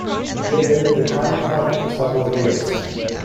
He had been in declining health for several years.